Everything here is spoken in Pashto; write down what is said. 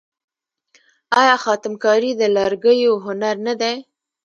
آیا خاتم کاري د لرګیو هنر نه دی؟